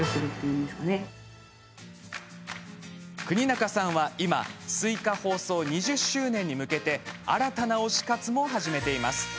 國中さんは、今「すいか」放送２０周年に向けて新たな推し活も始めています。